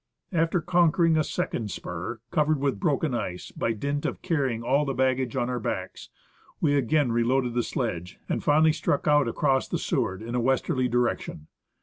After conquering a second spur, covered with broken ice, by dint of carrying all the baggage on our backs, we again reloaded the sledge, and finally struck out across the Seward in a westerly direction.